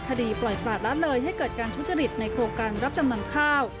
คดีปล่อยปลาละเลยให้เกิดการทุจริตในโครงการรับจำนำข้าว